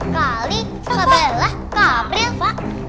kali kabelah kapril pak